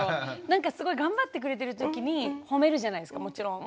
なんかすごい頑張ってくれてるときに褒めるじゃないですかもちろん。